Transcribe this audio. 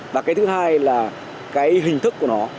và cái thứ hai là cái hình thức của nó